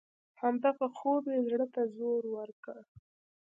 همدغه خوب یې زړه ته زور ورکړ.